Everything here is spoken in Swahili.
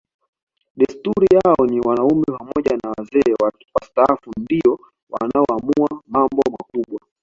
Desturi yao ni wanaume pamoja na wazee wastaafu ndio wanaoamua mambo makubwa